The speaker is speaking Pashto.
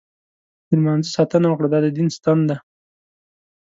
د لمانځه ساتنه وکړه، دا دین ستن ده.